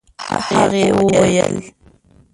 هغې وويل: